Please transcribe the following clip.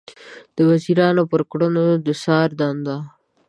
د وزیرانو پر کړنو د څار دنده